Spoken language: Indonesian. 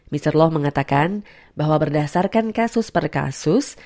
mr loh mengatakan bahwa berdasarkan kasus per kasus